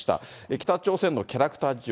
北朝鮮のキャラクター事情。